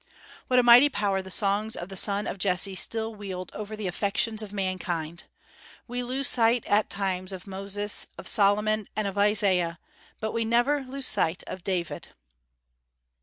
What a mighty power the songs of the son of Jesse still wield over the affections of mankind! We lose sight at times of Moses, of Solomon, and of Isaiah; but we never lose sight of David.